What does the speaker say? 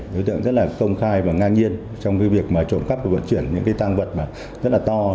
đối tượng rất là công khai và ngang nhiên trong cái việc mà trộm cắp và vận chuyển những cái tăng vật rất là to